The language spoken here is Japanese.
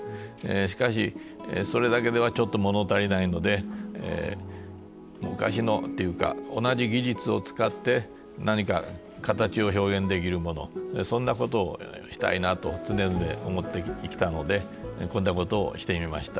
しかしそれだけではちょっと物足りないので昔のっていうか同じ技術を使って何か形を表現できるものそんなことをしたいなと常々思ってきたのでこんなことをしてみました。